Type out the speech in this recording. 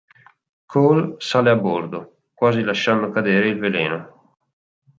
Cole sale a bordo, quasi lasciando cadere il veleno.